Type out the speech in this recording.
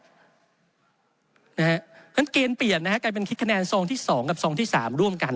เพราะฉะนั้นเกณฑ์เปลี่ยนนะฮะกลายเป็นคิดคะแนนซองที่๒กับซองที่๓ร่วมกัน